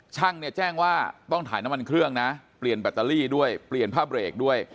ช่างเนี่ยแจ้งว่าต้องถ่ายน้ำมันเครื่องนะเปลี่ยนแบตเตอรี่ด้วยเปลี่ยนผ้าเบรกด้วย